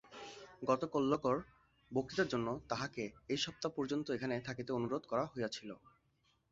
গতকল্যকার বক্তৃতার জন্য তাঁহাকে এই সপ্তাহ পর্যন্ত এখানে থাকিতে অনুরোধ করা হইয়াছিল।